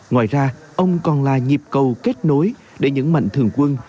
ngoài ra ông còn là nhịp cầu kết nối để những mạnh thường quân